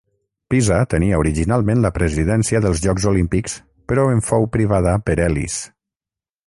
Pisa tenia originalment la presidència dels jocs olímpics però en fou privada per Elis.